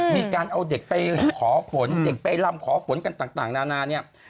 มีการเอาเด็กไปขอฝนเด็กไปลำขอฝนกันต่างนานาเนี่ย